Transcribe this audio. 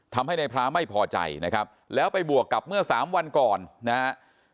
ทำให้นายพระไม่พอใจนะครับแล้วไปบวกกับเมื่อสามวันก่อนนะครับ